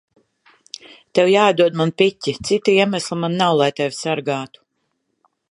Tev jāatdod man piķi. Cita iemesla man nav, lai tevi sargātu.